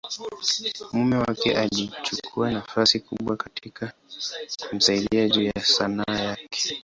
mume wake alichukua nafasi kubwa katika kumsaidia juu ya Sanaa yake.